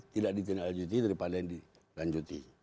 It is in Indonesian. tidak ditindaklanjuti daripada yang dilanjuti